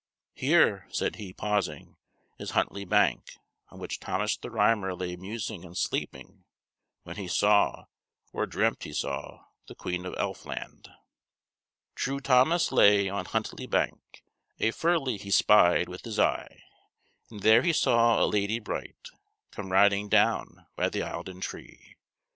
"Here," said he, pausing, "is Huntley Bank, on which Thomas the Rhymer lay musing and sleeping when he saw, or dreamt he saw, the queen of Elfland: "'True Thomas lay on Huntlie bank; A ferlie he spied wi' his e'e; And there he saw a ladye bright, Come riding down by the Eildon tree.